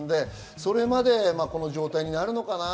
それまで、この状態になるのかな。